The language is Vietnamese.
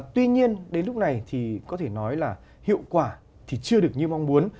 tuy nhiên đến lúc này thì có thể nói là hiệu quả thì chưa được như mong muốn